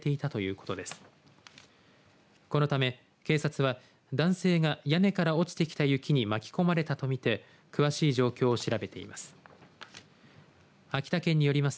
このため警察は男性が屋根から落ちてきた雪に巻き込まれたと見て詳しい状況を調べています。